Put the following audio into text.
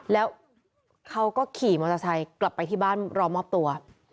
แล้วเขาก็ขี่มอเตอร์ไซค์กลับไปที่บ้านรอมอบตัว